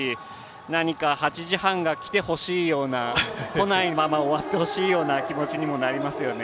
何か８時半がきてほしいようなこないまま終わってほしいような気持ちにもなりますよね。